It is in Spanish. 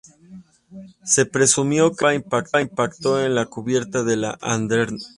Se presumió que la bomba impactó en la cubierta de la Ardent.